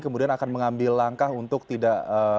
kemudian akan mengambil langkah untuk tidak